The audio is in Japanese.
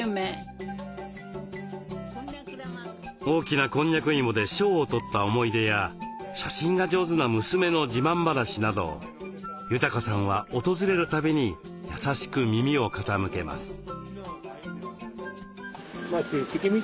大きなこんにゃく芋で賞をとった思い出や写真が上手な娘の自慢話など裕さんは訪れるたびに優しく耳を傾けます。